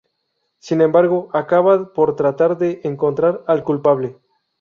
Sin embargo, acaba por tratar de encontrar al culpable.